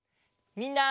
みんな！